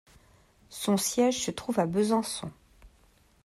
Son siège se trouve à Besançon.